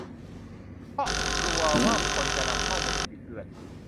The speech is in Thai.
เพราะกลัวว่าคนจะนำข้อมูลไปบิดเบือน